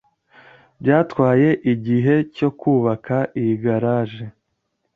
Byatwaye igihe cyo kubaka iyi garage.